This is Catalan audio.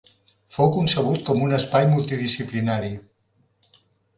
Fou concebut com un espai multidisciplinari.